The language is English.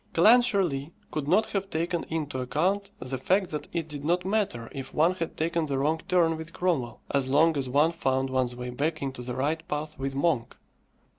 Clancharlie could not have taken into account the fact that it did not matter if one had taken the wrong turn with Cromwell, as long as one found one's way back into the right path with Monk.